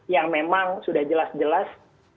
yang memang sudah jelas jelas